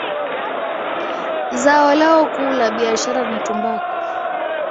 Zao lao kuu la biashara ni tumbaku.